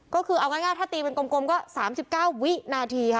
ก็คือเอาง่ายถ้าตีเป็นกลมก็๓๙วินาทีค่ะ